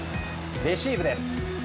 レシーブです。